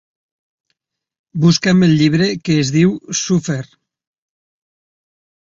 Busca"m el llibre que es diu Suffer.